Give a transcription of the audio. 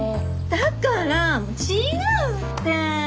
だから違うって！